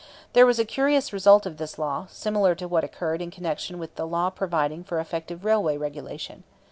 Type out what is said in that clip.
There was a curious result of this law, similar to what occurred in connection with the law providing for effective railway regulation.